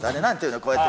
こうやって。